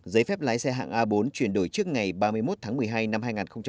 giấy phép lái xe hạng a bốn chuyển đổi trước ngày ba mươi một tháng một mươi hai năm hai nghìn hai mươi